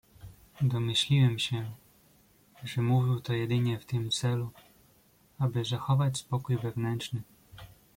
"Domyśliłem się, że mówił to jedynie w tym celu, aby zachować spokój wewnętrzny."